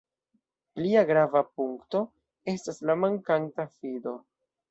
Plia grava punkto estas la mankanta fido.